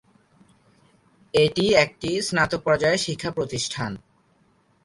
এটি একটি স্নাতক পর্যায়ের শিক্ষা প্রতিষ্ঠান।